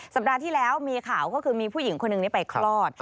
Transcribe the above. สัปดาห์ที่แล้วมีข่าวก็คือมีผู้หญิงคนหนึ่งนี้ไปคลอด